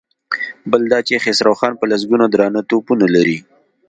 بل دا چې خسرو خان په لسګونو درانه توپونه لري.